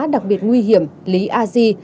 đặc biệt nguy hiểm lý a di